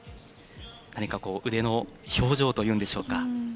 腕の表情というんでしょうか